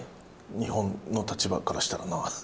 日本の立場からしたらな。